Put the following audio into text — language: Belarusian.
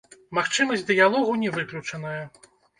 Магчымасць дыялогу не выключаная.